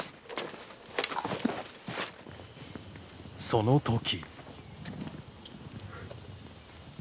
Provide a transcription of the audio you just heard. その時。